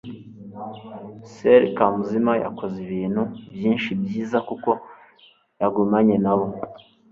soeur kamuzima yakoze ibintu byinshi byiza kuko yagumanye na bo